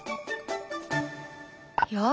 よし。